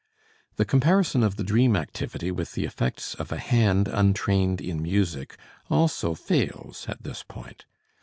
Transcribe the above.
The comparison of the dream activity with the effects of a hand untrained in music also fails at this point.